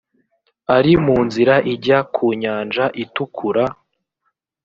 ari mu nzira ijya ku nyanja itukura .